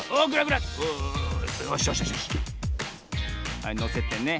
はいのせてね。